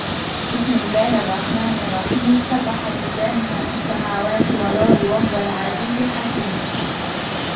بسم الله الرحمن الرحيم سبح لله ما في السماوات والأرض وهو العزيز الحكيم